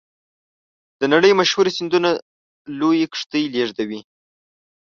د نړۍ مشهورې سیندونه لویې کښتۍ لیږدوي.